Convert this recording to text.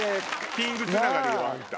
「キング」つながりよあんた。